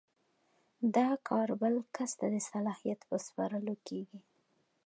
دا کار بل کس ته د صلاحیت په سپارلو کیږي.